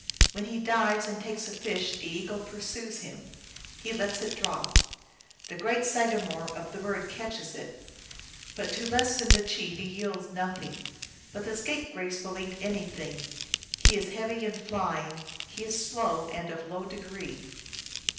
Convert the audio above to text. When he dives and takes a fish the eagle pursues him ; he lets it drop ; the great sagamore of the birds catches it ; but to less than the chief he yields nothing. But the Scapegrace will eat any thing ; he is heavy in flying ; he is slow and of low degree.